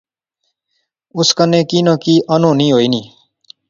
اس کنے کی نہ کی انہونی ہوئی نی